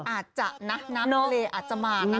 อาจจะนะน้ำทะเลอาจจะมานะ